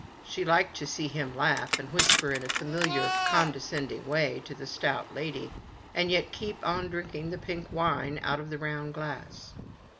She liked to see him \ laugh, and whisper in a familiar, condescend ing way to the stout lady, and yet keep on drinking the pink wine out of the round glass.